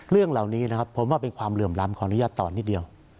เรื่องเหล่านี้นะครับผมว่าเป็นความเหลื่อมล้ำขออนุญาตต่อนิดเดียว